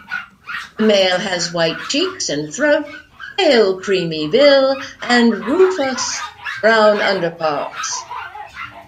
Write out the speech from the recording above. The male has white cheeks and throat, pale creamy bill, and rufous-brown underparts.